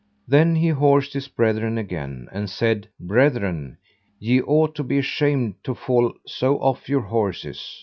Then he horsed his brethren again, and said: Brethren, ye ought to be ashamed to fall so off your horses!